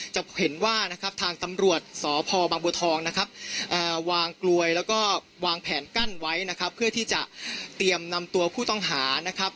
จะเห็นว่านะครับทางตำรวจสพบางบัวทองนะครับวางกลวยแล้วก็วางแผนกั้นไว้นะครับเพื่อที่จะเตรียมนำตัวผู้ต้องหานะครับ